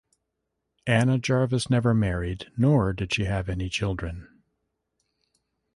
Anna Jarvis never married nor did she have any children.